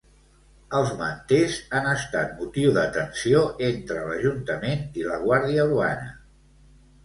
Els manters han estat motiu de tensió entre l'Ajuntament i la Guàrdia Urbana.